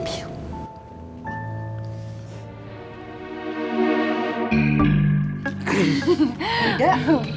maka saya akan menerima ini